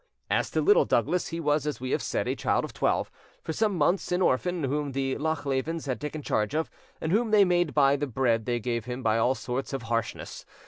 As to Little Douglas, he was, as we have said, a child of twelve, for some months an orphan, whom the Lochlevens had taken charge of, and whom they made buy the bread they gave him by all sorts of harshness.